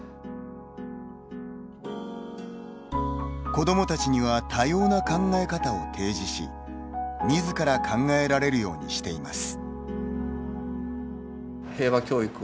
子どもたちには多様な考え方を提示しみずから考えられるようにしています。